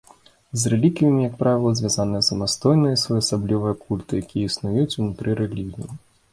З рэліквіямі, як правіла, звязаныя самастойныя і своеасаблівыя культы, якія існуюць унутры рэлігій.